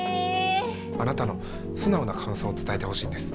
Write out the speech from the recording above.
あなたの素直な感想を伝えてほしいんです。